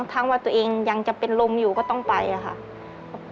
ทั้งว่าตัวเองยังจะเป็นลมอยู่ก็ต้องไปค่ะ